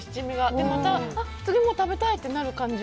で、また次も食べたいってなる感じ。